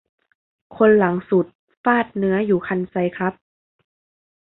คนหลังสุดฟาดเนื้ออยู่คันไซครับ